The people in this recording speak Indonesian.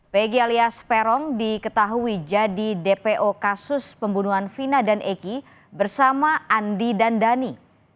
pegi alias perong diketahui jadi dpo kasus pembunuhan vina dan eki bersama andi dan dani